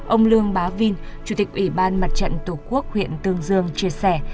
ông lương bá vinh chủ tịch ủy ban mặt trận tổ quốc huyện tương dương chia sẻ